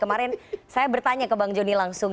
kemarin saya bertanya ke bang joni langsung